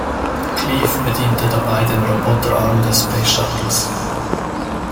Cleave bediente dabei den Roboterarm des Space Shuttles.